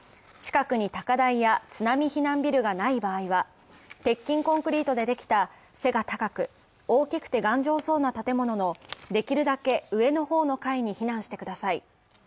近くに高台や津波避難ビルがない場合は、鉄筋コンクリートでできた背が高く大きくて頑丈そうな建物のできるだけ上の方の階に避難してください